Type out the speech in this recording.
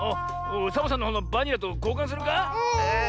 サボさんのほうのバニラとこうかんするか？